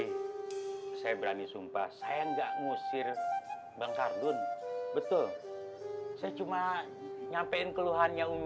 hai saya berani sumpah saya enggak ngusir bang kardun betul saya cuma nyampein keluhannya umi